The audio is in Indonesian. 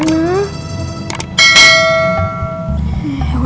yang benar benar benar